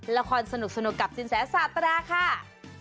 ละครสนุกกับสินแสสาตราค่ะ